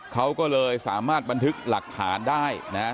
เขาก็เลยสามารถบันทึกหลักฐานได้นะฮะ